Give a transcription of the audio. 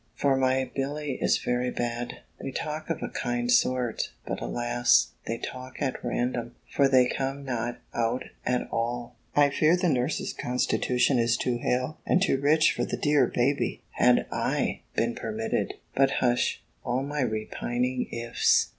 for my Billy is very bad. They talk of a kind sort: but alas: they talk at random: for they come not out at all! I fear the nurse's constitution is too hale and too rich for the dear baby! Had I been permitted But hush, all my repining _ifs!